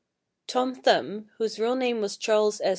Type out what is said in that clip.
Tom Thumb, whose real name was Charles S.